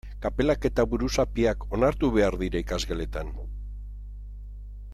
Kapelak eta buruzapiak onartu behar dira ikasgeletan?